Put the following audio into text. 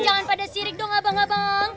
jangan pada sirik dong abang abang